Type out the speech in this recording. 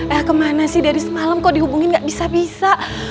eh kemana sih dari semalam kok dihubungin nggak bisa bisa